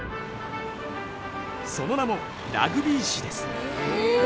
その名もラグビー市です。